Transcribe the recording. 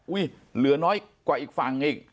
เหลือน้อยกว่าอีกฝั่งอีก